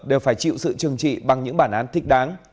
đều phải chịu sự trừng trị bằng những bản án thích đáng